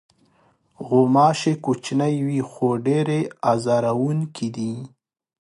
غوماشې کوچنۍ وي، خو ډېرې آزاروونکې دي.